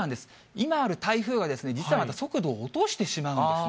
今ある台風は、実は速度を落としてしまうんですね。